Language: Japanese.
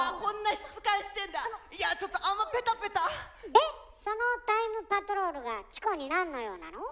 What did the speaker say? でそのタイムパトロールがチコになんの用なの？